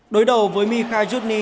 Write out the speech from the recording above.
đối đầu với mikhail yudny